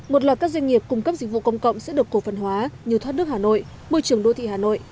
một loạt các doanh nghiệp cung cấp dịch vụ công cộng sẽ được cổ phần hóa như thoát nước hà nội môi trường đô thị hà nội